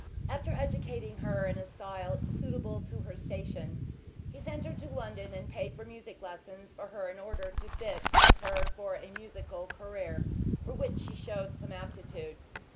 After educating her in a style suitable to her station, he sent her to London and paid for music lessons for her in order to fit her for a musical career, for which she showed some aptitude.